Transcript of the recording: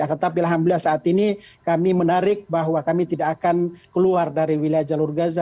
tetapi alhamdulillah saat ini kami menarik bahwa kami tidak akan keluar dari wilayah jalur gaza